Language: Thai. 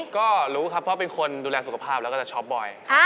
ก็รู้ครับเพราะเป็นคนดูแลสุขภาพแล้วก็จะช็อปบ่อย